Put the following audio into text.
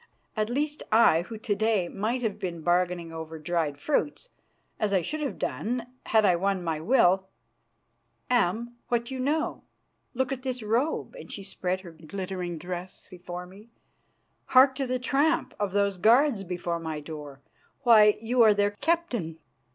At least, I, who to day might have been bargaining over dried fruits, as I should have done had I won my will, am what you know. Look at this robe," and she spread her glittering dress before me. "Hark to the tramp of those guards before my door. Why, you are their captain.